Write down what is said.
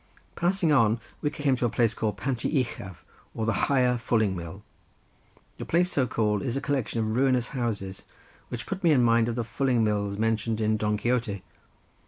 Passing on we came to a place called Pandy uchaf, or the higher Fulling mill. The place so called is a collection of ruinous houses, which put me in mind of the Fulling mills mentioned in Don Quixote.